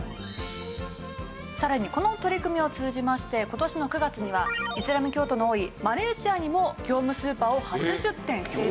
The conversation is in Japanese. さらにこの取り組みを通じまして今年の９月にはイスラム教徒の多いマレーシアにも業務スーパーを初出店しているんですね。